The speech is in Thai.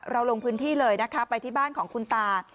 ลงพื้นที่เลยนะคะไปที่บ้านของคุณตา